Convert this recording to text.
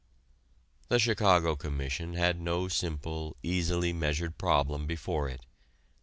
The Chicago Commission had no simple, easily measured problem before it.